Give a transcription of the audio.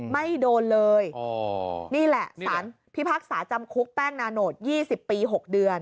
ไม่โดนเลยนี่แหละสารพิพากษาจำคุกแป้งนาโนต๒๐ปี๖เดือน